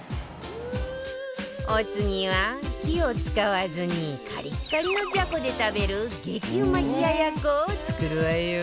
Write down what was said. お次は火を使わずにカリッカリのジャコで食べる激うま冷奴を作るわよ